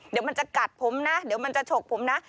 เดี๋ยวมันจะกัดผมนะเดี๋ยวมันจะฉกผมนะ